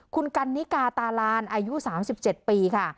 คุณกันนิกาตาลานอายุ๓๗ปีค่ะ